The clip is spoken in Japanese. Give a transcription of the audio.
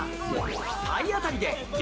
体当たりで激